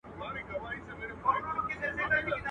تا پر سرو شونډو پلمې راته اوډلای.